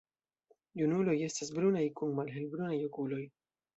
Junuloj estas brunaj kun malhelbrunaj okuloj.